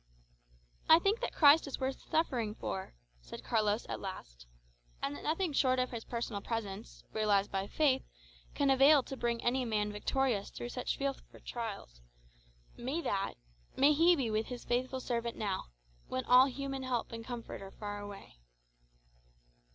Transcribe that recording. "I think that Christ is worth suffering; for," said Carlos at last. "And that nothing short of his personal presence, realized by faith, can avail to bring any man victorious through such fearful trials. May that may he be with his faithful servant now, when all human help and comfort are far away."